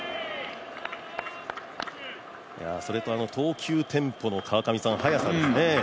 それと、投球テンポの速さですよね